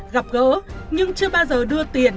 gặp gỡ nhưng chưa bao giờ đưa tiền